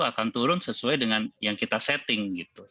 akan turun sesuai dengan yang kita setting gitu